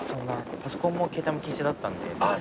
パソコンも携帯も禁止だったんで。